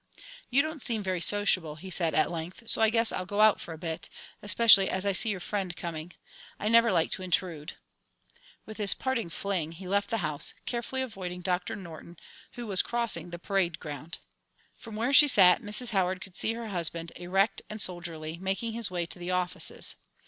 "You don't seem very sociable," he said at length, "so I guess I'll go out for a bit, especially as I see your friend coming. I never like to intrude." With this parting fling, he left the house, carefully avoiding Doctor Norton, who was crossing the parade ground. From where she sat, Mrs. Howard could see her husband, erect and soldierly, making his way to the offices.